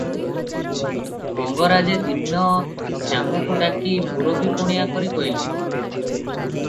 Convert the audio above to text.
ମଙ୍ଗରାଜେ ଦିନେ ଶ୍ୟାମକୁ ଡାକି ମୂରବୀ ପଣିଆ କରି କହିଲେ